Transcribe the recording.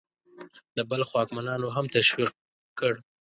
د بلخ واکمنانو هم تشویق کړ.